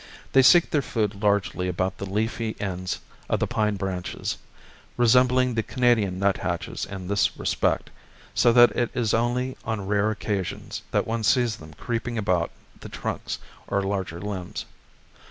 They seek their food largely about the leafy ends of the pine branches, resembling the Canadian nuthatches in this respect, so that it is only on rare occasions that one sees them creeping about the trunks or larger limbs.